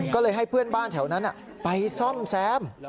ก็เลยให้เพื่อนบ้านแถวนั้นไปซ่อมแซม